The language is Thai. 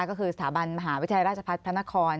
ก็คือสถาบันมหาวิทยาลัยราชพัฒน์พระนคร